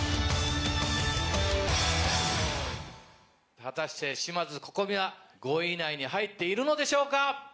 果たして島津心美は５位以内に入っているのでしょうか？